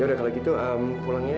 ya udah kalau gitu pulang ya